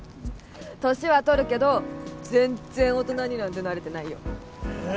年は取るけど全然大人になんてなれてないよえ